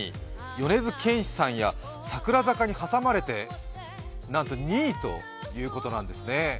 米津玄師さんや、櫻坂に挟まれてなんと２位ということなんですね。